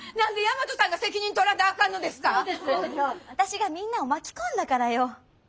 私がみんなを巻き込んだからよ。